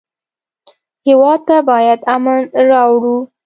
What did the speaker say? هېواد ته باید امن راوړو